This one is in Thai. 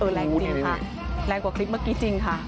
แรงกว่าคลิปเมื่อกี้จริงค่ะ